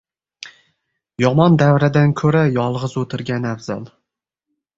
• Yomon davradan ko‘ra yolg‘iz o‘tirgan afzal.